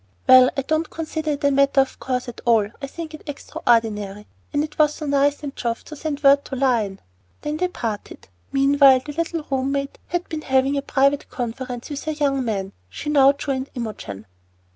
"Well, I don't consider it a matter of course at all. I think it extraordinary, and it was so very nice in Geoff to send word to Lion." Then they parted. Meanwhile the little room mate had been having a private conference with her "young man." She now joined Imogen.